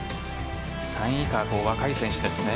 ３位以下は若い選手ですね。